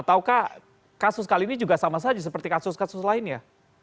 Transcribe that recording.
ataukah kasus kali ini juga sama saja seperti kasus kasus lainnya